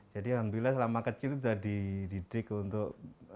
alhamdulillah selama kecil sudah dididik untuk